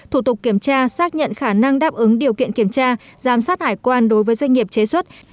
thủ tục kiểm tra xác nhận khả năng đáp ứng điều kiện kiểm tra giám sát hải quan đối với doanh nghiệp chế xuất